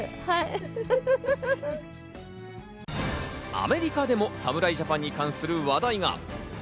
アメリカでも侍ジャパンに関する話題が。